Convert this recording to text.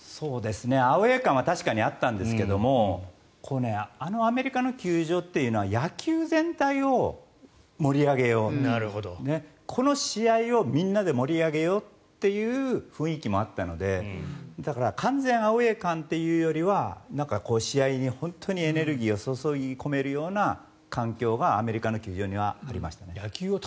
アウェー感は確かにあったんですけどもあのアメリカの球場っていうのは野球全体を盛り上げようこの試合をみんなで盛り上げようという雰囲気もあったのでだから完全アウェー感というよりは試合に本当にエネルギーを注ぎ込めるような環境がアメリカの球場にはありましたね。